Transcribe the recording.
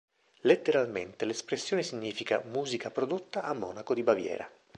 Letteralmente l'espressione significa "musica prodotta a Monaco di Baviera".